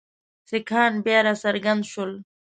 سیکهان بیا را څرګند شول.